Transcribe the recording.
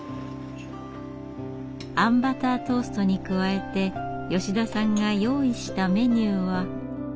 あんバタートーストに加えて吉田さんが用意したメニューは。